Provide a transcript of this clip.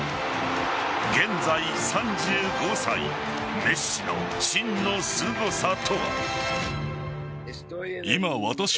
現在３５歳メッシの真のすごさとは。